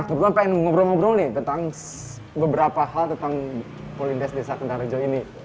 nah kebetulan ingin ngobrol ngobrol nih tentang beberapa hal tentang polindes desa kendal rejo ini